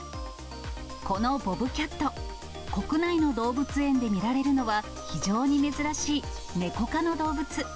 このボブキャット、国内の動物園で見られるのは、非常に珍しいネコ科の動物。